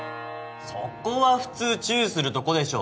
そこは普通チューするとこでしょ